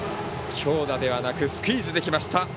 強打ではなくスクイズできました。